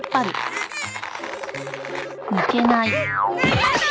やだ！